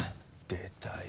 出たよ